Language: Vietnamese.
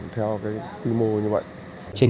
theo quy mô xây dựng